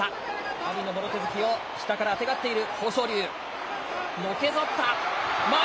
阿炎のもろ手突きを下からあてがっている。